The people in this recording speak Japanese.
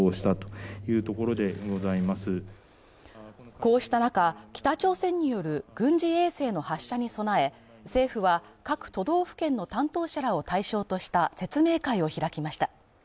こうした中、北朝鮮による軍事衛星の発射に備え、政府は、各都道府県の担当者らを対象とした説明会を開きました。